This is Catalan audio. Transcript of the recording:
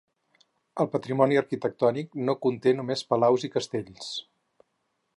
El Patrimoni Arquitectònic no conté només palaus i castells.